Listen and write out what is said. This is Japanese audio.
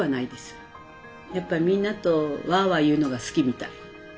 やっぱりみんなとわあわあ言うのが好きみたい。